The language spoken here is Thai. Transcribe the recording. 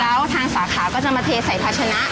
แล้วทางสาขาก็จะมาเทใส่ภาชนะ